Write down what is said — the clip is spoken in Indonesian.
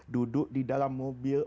duduk di dalam mobil